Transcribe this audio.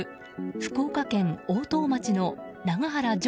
福岡県大任町の永原譲